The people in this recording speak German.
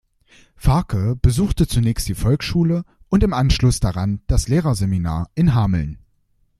Farke besuchte zunächst die Volksschule und im Anschluss daran das Lehrerseminar in Hameln.